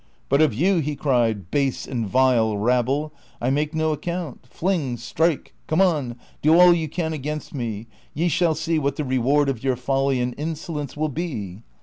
" But of you," he cried, " base and vile rabble, I make no account ; fling, strike, come on, do all ye can against me, ye shall see what the reward of your folly and insolence will be."